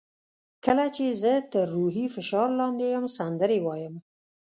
کله چې زه تر روحي فشار لاندې یم سندرې وایم.